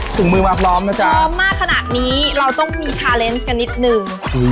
ถุงมือมาพร้อมนะจ๊ะพร้อมมากขนาดนี้เราต้องมีชาเลนส์กันนิดนึง